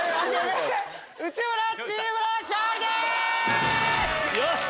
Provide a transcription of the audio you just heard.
内村チームの勝利です！